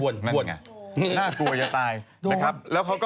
น่ากลัวจะตายแล้วเขาก็